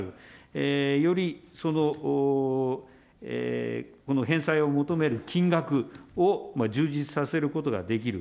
え、よりその返済を求める金額を充実させることができる。